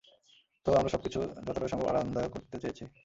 তো, আমরা সবকিছু যতটা সম্ভব আরামদায়ক করতে চেয়েছি।